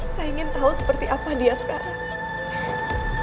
saya ingin tahu seperti apa dia sekarang